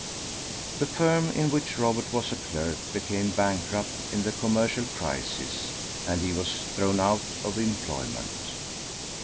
The firm in which Robert was a clerk became bankrupt in the commercial crisis, and he was thrown out of employment.